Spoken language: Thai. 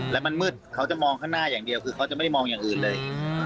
แล้วมันมืดเขาจะมองข้างหน้าอย่างเดียวคือเขาจะไม่ได้มองอย่างอื่นเลย